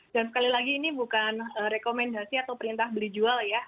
dan sekali lagi ini bukan rekomendasi atau perintah beli jual ya